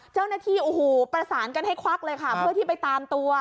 เจ้าหน้าที่โอ้โหประสานกันให้ควักเลยค่ะเพื่อที่ไปตามตัว